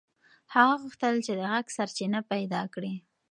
هغه غوښتل چې د غږ سرچینه پیدا کړي.